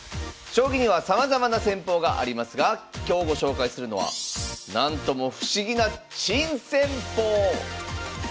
将棋にはさまざまな戦法がありますが今日ご紹介するのはなんとも不思議な珍戦法。